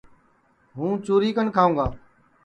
ہوں چُری کن کھاوں گا